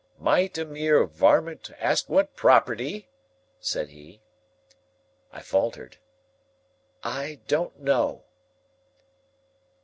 "Might a mere warmint ask what property?" said he. I faltered, "I don't know."